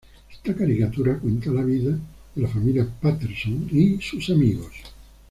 Esta caricatura cuenta la vida de la familia "Patterson" y sus amigos.